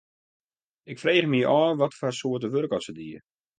Ik frege my ôf watfoar soarte wurk oft se die.